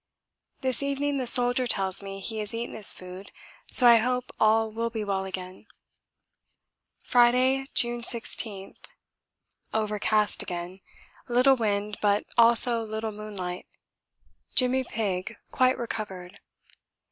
This evening the Soldier tells me he has eaten his food, so I hope all be well again. Friday, June 16. Overcast again little wind but also little moonlight. Jimmy Pigg quite recovered.